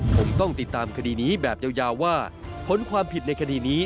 ผมต้องติดตามคดีนี้แบบยาวว่าผลความผิดในคดีนี้